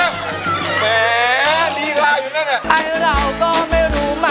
สวัสดีครับ